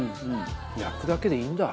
焼くだけでいいんだ。